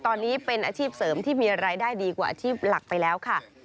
ตอนนี้เป็นอาชีพเสริมที่มีรายได้ดีกว่าอาชีพหลักไปแล้วค่ะ